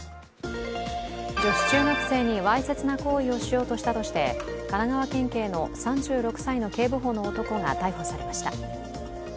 女子中学生にわいせつな行為をしようとしたとして神奈川県警の３６歳の警部補の男が逮捕され巻いた。